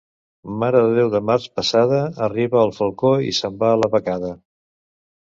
Mare de Déu de març passada, arriba el falcó i se'n va la becada.